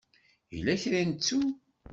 Yella kra i nettu.